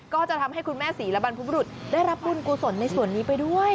ก็จะทำให้คุณแม่ศรีและบรรพบรุษได้รับบุญกุศลในส่วนนี้ไปด้วย